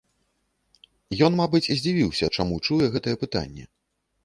Ён, мабыць, здзівіўся, чаму чуе гэтае пытанне.